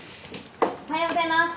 おはようございます。